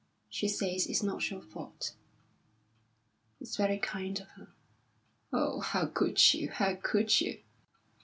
She says it's not your fault." "It's very kind of her." "Oh, how could you? How could you?"